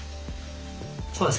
そうです。